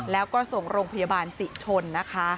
แล้วก็ส่งโรงพยาบาลศิชนนะคะ